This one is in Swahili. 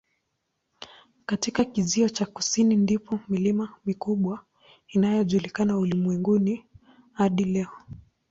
Katika kizio cha kusini ndipo milima mikubwa inayojulikana ulimwenguni hadi leo.